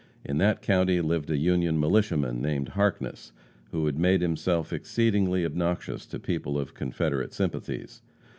In that county lived a Union militiaman named Harkness, who had made himself exceedingly obnoxious to people of Confederate sympathies.